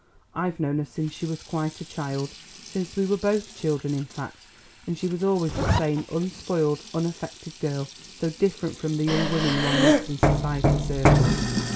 I've known her since she was quite a child since we were both children, in fact, and she was always the same unspoiled, unaffected girl, so different from the young women one meets in society circles."